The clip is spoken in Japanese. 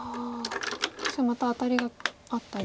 そしてまたアタリがあったり。